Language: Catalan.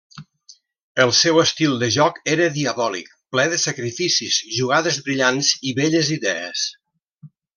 El seu estil de joc era diabòlic, ple de sacrificis, jugades brillants, i belles idees.